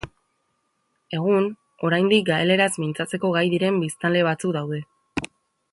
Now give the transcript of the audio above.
Egun, oraindik gaeleraz mintzatzeko gai diren biztanle batzuk daude.